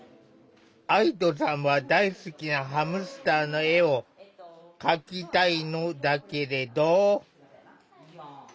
愛土さんは大好きなハムスターの絵を描きたいのだけれど。